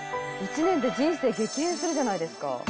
「１年で人生激変するじゃないですか」